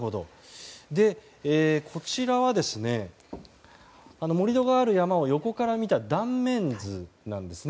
こちらは盛り土がある山を横から見た断面図です。